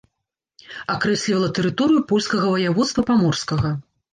Акрэслівала тэрыторыю польскага ваяводства паморскага.